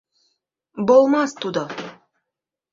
— Болмас тудо!..